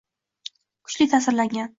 kuchli ta’sirlangan.